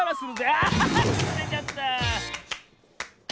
ああっくずれちゃった！